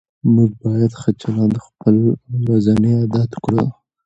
موږ باید ښه چلند خپل ورځنی عادت کړو